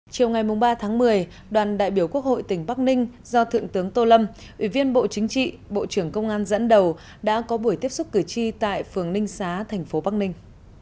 chiều ngày ba tháng một mươi đoàn đại biểu quốc hội tỉnh bắc ninh do thượng tướng tô lâm ủy viên bộ chính trị bộ trưởng công an dẫn đầu đã có buổi tiếp xúc cử tri tại phường ninh xá thành phố bắc ninh